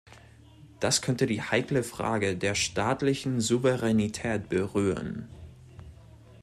Das könnte die heikle Frage der staatlichen Souveränität berühren.